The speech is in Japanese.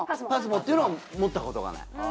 ＰＡＳＭＯっていうのは持ったことがない。